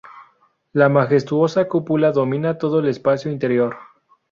La majestuosa cúpula domina todo el espacio interior.